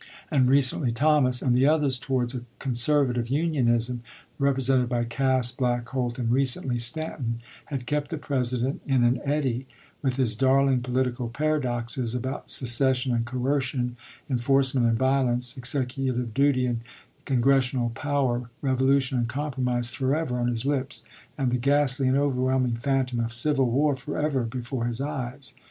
and recently Thomas, and the other towards a con servative unionism, represented by Cass, Black, Holt, and recently Stanton, had kept the President in an eddy, with his darling political paradoxes about secession and coercion, enforcement and vio lence, executive duty and Congressional power, revolution and compromise forever on his lips, and the ghastly and overwhelming phantom of civil war forever before his eyes.